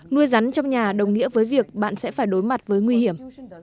nuôi rắn trong nhà đồng nghĩa với việc bạn sẽ phải đối mặt với nguy hiểm